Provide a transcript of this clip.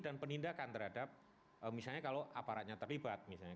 dan penindakan terhadap misalnya kalau aparatnya terlibat misalnya